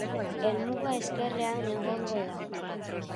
Helmuga ezkerrean egongo da.